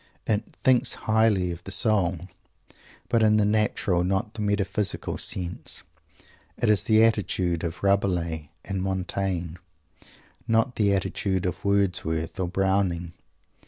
It "thinks highly of the soul," but in the natural, not the metaphysical, sense. It is the attitude of Rabelais and Montaigne, not the attitude of Wordsworth or Browning.